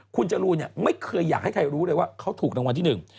คุณจรูนไม่เคยอยากให้ใครรู้เลยว่าเขาถูกรางวัลที่หนึ่ง